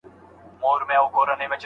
د جماع پر وخت د خپل عفت ساتني نيت کول.